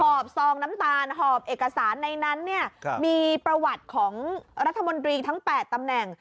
อบซองน้ำตาลหอบเอกสารในนั้นเนี่ยมีประวัติของรัฐมนตรีทั้ง๘ตำแหน่ง